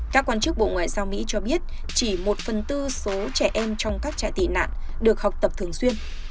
các quan chức bộ ngoại giao mỹ cho biết chỉ một phần tư số trẻ em trong các trại tị nạn được học tập thường xuyên